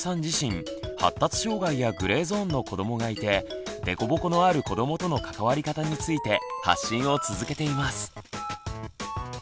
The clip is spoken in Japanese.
自身発達障害やグレーゾーンの子どもがいて凸凹のある子どもとの関わり方について発信を続けています。